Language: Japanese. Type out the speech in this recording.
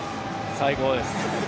最高です。